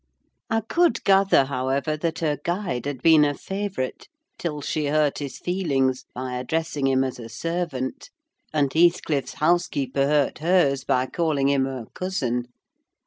I could gather, however, that her guide had been a favourite till she hurt his feelings by addressing him as a servant; and Heathcliff's housekeeper hurt hers by calling him her cousin.